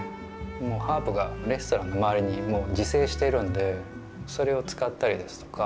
ハーブがレストランの周りに自生しているんでそれを使ったりですとか。